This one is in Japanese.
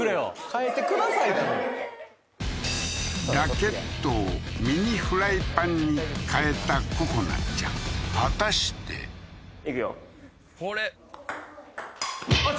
変えてくださいやろラケットをミニフライパンに変えた心菜ちゃん果たしていくよあっ